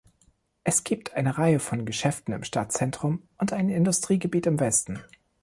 Es gibt eine Reihe von Geschäften im Stadtzentrum und ein Industriegebiet im Westen.